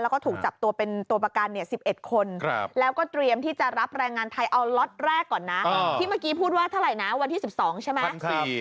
แล้วก็ถูกจับตัวเป็นตัวประกัน๑๑คนแล้วก็เตรียมที่จะรับแรงงานไทยเอาล็อตแรกก่อนนะที่เมื่อกี้พูดว่าเท่าไหร่นะวันที่๑๒ใช่ไหม